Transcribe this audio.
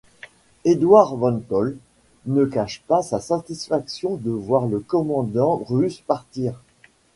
Eduard von Toll ne cache pas sa satisfaction de voir le commandant russe partir.